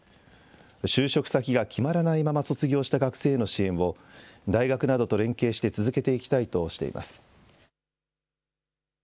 就職先が決まらないまま卒業した学生への支援を大学などと連携して続けていきたいとしています。